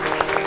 oh siapa ini